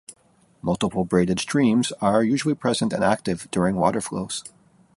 Multiple braided streams are usually present and active during water flows.